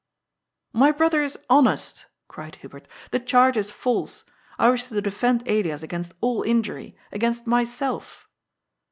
" My brother is honest," cried Hubert. " The charge is false. I wish to defend Elias against all injury, against myself